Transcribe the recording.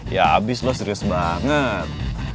ya habis lo serius banget